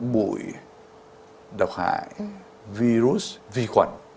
bụi độc hại virus vi khuẩn